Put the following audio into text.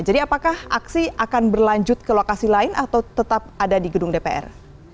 jadi apakah aksi akan berlanjut ke lokasi lain atau tetap ada di gedung dpr